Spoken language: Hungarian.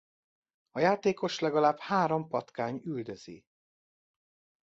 A játékost legalább három patkány üldözi.